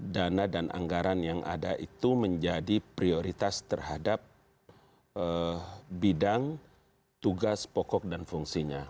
dana dan anggaran yang ada itu menjadi prioritas terhadap bidang tugas pokok dan fungsinya